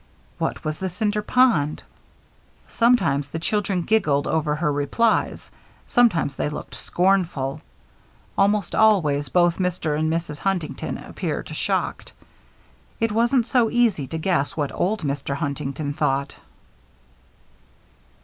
What was the Cinder Pond? Sometimes the children giggled over her replies, sometimes they looked scornful. Almost always, both Mr. and Mrs. Huntington appeared shocked. It wasn't so easy to guess what old Mr. Huntington thought.